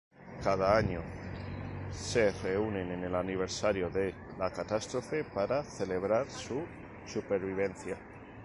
Cada año, se reúnen en el aniversario de la catástrofe para celebrar su supervivencia.